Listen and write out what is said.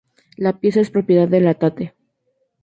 La pieza es propiedad de la Tate.